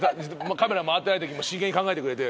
カメラ回ってないときも真剣に考えてくれて。